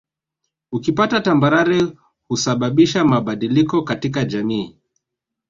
Ukipita tambarare husababisha mabadiliko katika jamii